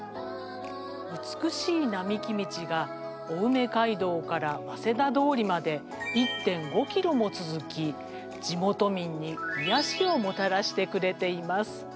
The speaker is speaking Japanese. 美しい並木道が青梅街道から早稲田通りまで１．５ｋｍも続き地元民にいやしをもたらしてくれています。